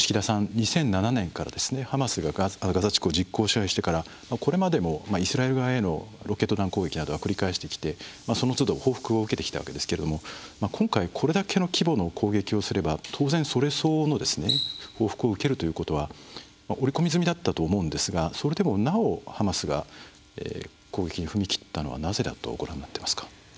２００７年からハマスがガザ地区を実効支配してからこれまでもイスラエル側へのロケット弾攻撃などを繰り返してきて、そのつど報復を受けてきたわけですが今回これだけの規模の攻撃をすれば、当然それ相応の報復を受けるということは織り込み済みだったと思いますがそれでもなお、ハマスが攻撃に踏み切ったのはなぜだとご覧になっていますか？